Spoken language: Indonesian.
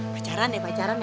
pacaran ya pacaran ya